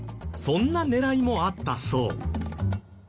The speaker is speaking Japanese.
そんな狙いもあったそう。